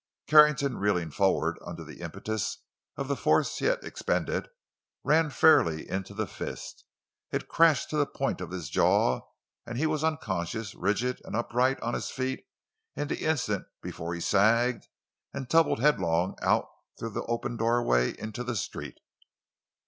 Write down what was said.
Carrington, reeling forward under the impetus of the force he had expended, ran fairly into the fist. It crashed to the point of his jaw and he was unconscious, rigid, and upright on his feet in the instant before he sagged and tumbled headlong out through the open doorway into the street.